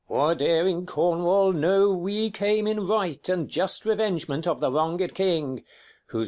King. O'er daring Cornwall, know, we came in right, And just revengement of the wronged king, Sc.